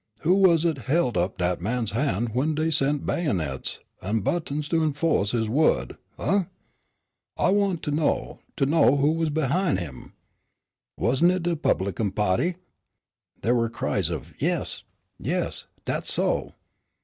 Who was it helt up dat man's han's when dey sent bayonets an' buttons to enfo'ce his word umph? I want to to know who was behin' him? Wasn' it de 'Publican pa'ty?" There were cries of "Yes, yes! dat's so!"